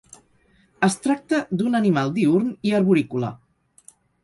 Es tracta d'un animal diürn i arborícola.